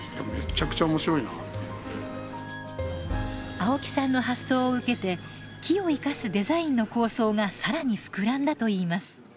青木さんの発想を受けて木を生かすデザインの構想が更に膨らんだといいます。